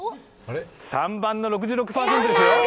３番の６６％ですよ。